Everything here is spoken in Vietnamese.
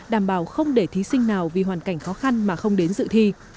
đảm bảo không để thí sinh nào vì hoàn cảnh khó khăn mà không đến dự thi